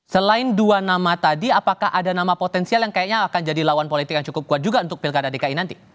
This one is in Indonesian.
selain dua nama tadi apakah ada nama potensial yang kayaknya akan jadi lawan politik yang cukup kuat juga untuk pilkada dki nanti